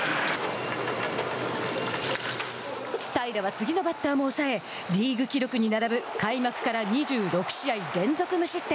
平良は次のバッターも抑えリーグ記録に並ぶ開幕から２６試合連続無失点。